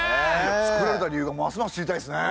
造られた理由がますます知りたいですね。